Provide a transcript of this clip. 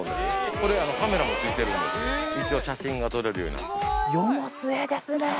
これ、カメラも付いてるんで、一応写真が撮れるようになってい世も末ですね。